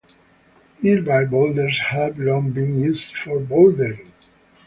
Nearby boulders have long been used for bouldering.